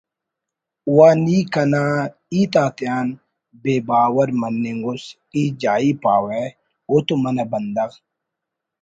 ……واہ نی کنا ہیت آتیان بے باور مننگ اُس ای جائی پاوہ اوتو منہ بندغ